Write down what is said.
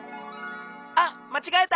あっまちがえた。